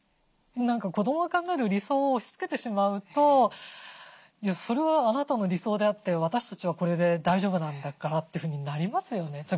子どもが考える理想を押しつけてしまうと「それはあなたの理想であって私たちはこれで大丈夫なんだから」というふうになりますよね。